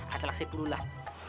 atau talak sepuluh lah